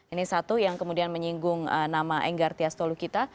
ini satu yang kemudian menyinggung nama enggar tias tolukita